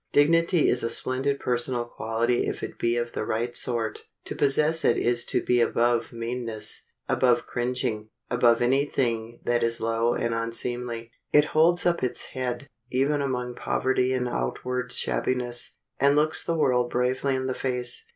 Dignity is a splendid personal quality if it be of the right sort. To possess it is to be above meanness, above cringing, above any thing that is low and unseemly. It holds up its head, even among poverty and outward shabbiness, and looks the world bravely in the face.